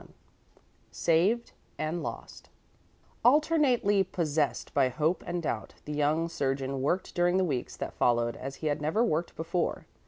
XXI SAVED AND LOST Alternately possessed by hope and doubt, the young surgeon worked during the weeks that followed as he had never worked before.